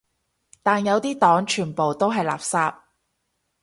但有啲黨全部都係垃圾